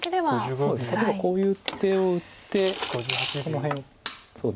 例えばこういう手を打ってこの辺。